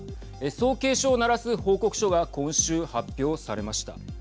そう警鐘を鳴らす報告書が今週発表されました。